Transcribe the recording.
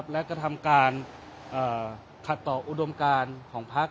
และกระทำการขัดต่ออุดมการของพัก